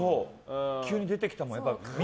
急に出てきたもん見